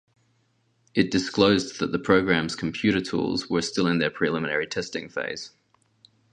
It disclosed that the program's computer tools were still in their preliminary testing phase.